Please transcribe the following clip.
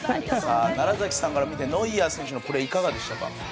楢崎さんから見てノイアー選手のプレーはいかがですか？